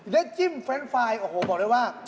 จิ้มเฟรนด์ไฟล์โอ้โหบอกเลยว่า